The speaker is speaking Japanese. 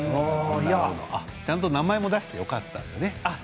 ちゃんと名前、出してよかったんだな。